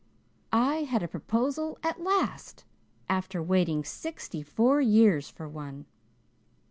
I had a proposal at last, after waiting sixty four years for one.